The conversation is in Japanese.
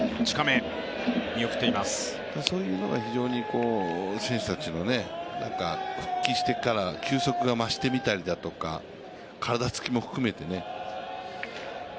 そういうのが非常に選手たちの復帰してから球速が増してみたりとか体つきも含めてね。